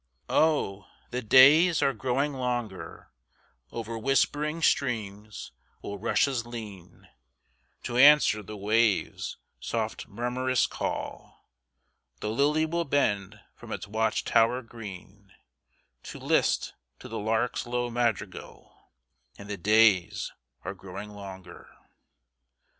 Oh, the days are growing longer; Over whispering streams will rushes lean, To answer the waves' soft murmurous call; The lily will bend from its watch tower green, To list to the lark's low madrigal, And the days are growing longer.